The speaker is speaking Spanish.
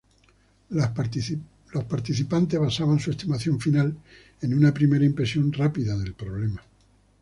Los participantes basaban su estimación final en una primera impresión rápida del problema.